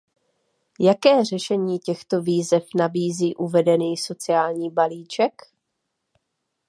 Jaké řešení těchto výzev nabízí uvedený sociální balíček?